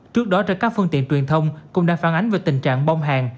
trước đó các phương tiện truyền thông cũng đã phản ánh về tình trạng bong hàng